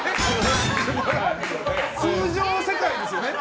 通常世界ですよね？